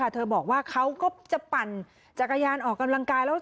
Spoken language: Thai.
เธอบอกว่าเขาก็จะปั่นจักรยานออกกำลังกายแล้ว